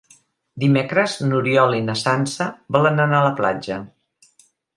Dimecres n'Oriol i na Sança volen anar a la platja.